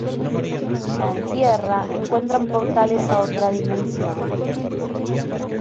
Ya en tierra, encuentran portales a otra dimensión.